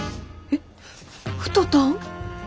えっ歌たん！？